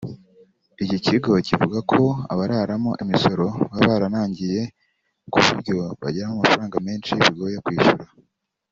Iki kigo kivuga ko abararamo imisoro baba barinangiye ku buryo bageramo amafaranga menshi bigoye kwishyura